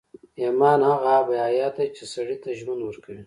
ايمان هغه آب حيات دی چې سړي ته ژوند ورکوي.